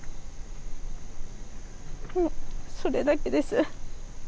もうそれだけです。